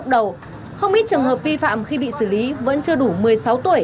đối với những trường hợp thanh thiếu liên điều khiển xe mô tô